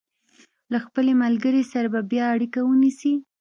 له خپلې ملګرې سره به بیا اړیکه ونیسي.